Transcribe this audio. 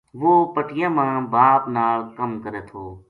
وہ پٹیاں ما باپ نال کم کرے تھو